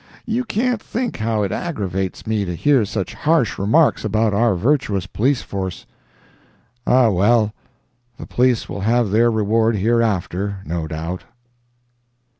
You can't think how it aggravates me to hear such harsh remarks about our virtuous police force. Ah, well, the police will have their reward hereafter—no doubt.